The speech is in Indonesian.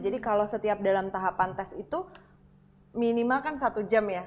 jadi kalau setiap dalam tahapan tes itu minimal kan satu jam ya